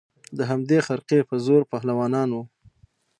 د همدې خرقې په زور پهلوانان وه